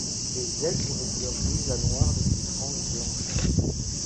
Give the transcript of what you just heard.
Les ailes sont de couleur grise à noire avec une frange blanche.